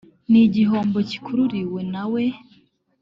ni igihombo cyikururiwe na we